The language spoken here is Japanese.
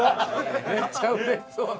めっちゃ嬉しそうな。